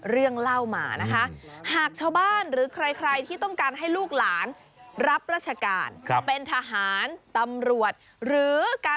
เรื่องเล่ามานะคะ